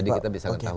jadi kita bisa tahu